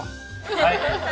はい！